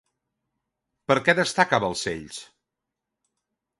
Per què destaca Balcells?